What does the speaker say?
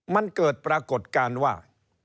มันเกิดปรากฏการณ์ว่า